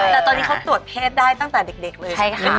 แต่ตอนนี้เขาตรวจเพศได้ตั้งแต่เด็กเลย